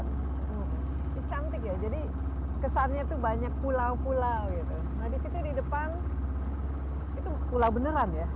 nah di situ di depan itu pulau beneran ya